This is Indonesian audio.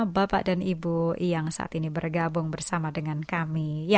bapak dan ibu yang saat ini bergabung bersama dengan kami